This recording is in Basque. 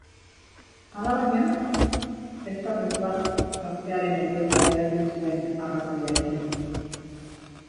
Alabaina, ez datoz bat gaztearen heriotza eragin zuen arrazoiarekin.